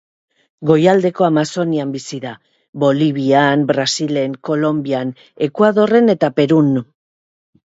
Goialdeko Amazonian bizi da, Bolivian, Brasilen, Kolonbian, Ekuadorren eta Perun.